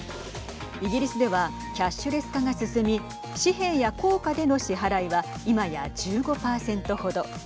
イギリスではキャッシュレス化が進み紙幣や硬貨での支払いは今や１５％程。